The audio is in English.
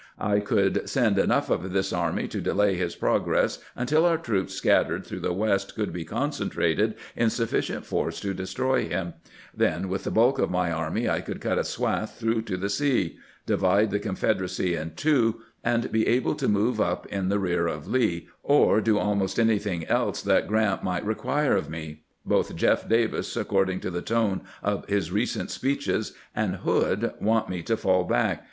I could send enough of this army to delay his progress until our troops scattered through the "West could be concentrated in sufficient force to destroy him ; then with the bulk of my army I could cut a swath through to the sea, divide the Confederacy in two, and be able to move up in the rear of Lee, or do almost anything else that Grrant might require of me. Both Jeff Davis, according to the tone of his recent speeches, and Hood want me to fall back.